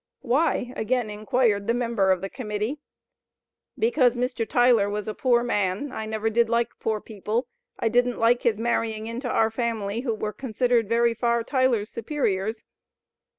"Why?" again inquired the member of the Committee. "Because Mr. Tyler was a poor man. I never did like poor people. I didn't like his marrying into our family, who were considered very far Tyler's superiors."